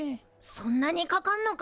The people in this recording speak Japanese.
そんなにかかんのか。